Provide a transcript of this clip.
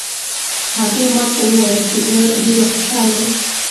هغې ما ته وویل چې زه ډېره خوشحاله یم